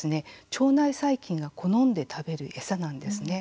腸内細菌が好んで食べる餌なんですね。